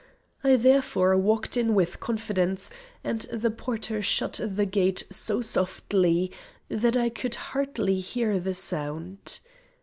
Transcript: I therefore walked in with confidence, and the porter shut the gate so softly that I could hardly hear the sound.